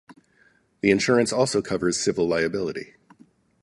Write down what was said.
The insurance also covers civil liability.